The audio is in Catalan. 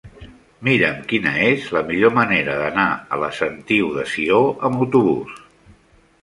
Mira'm quina és la millor manera d'anar a la Sentiu de Sió amb autobús.